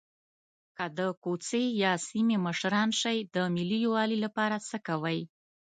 که د کوڅې یا سیمې مشران شئ د ملي یووالي لپاره څه کوئ.